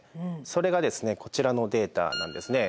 それがこちらのデータなんですね。